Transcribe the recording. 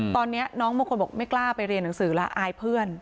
ตอนนี้น้องบางคนบอกไม่กล้าไปเรียนหนังสือละอายเพื่อน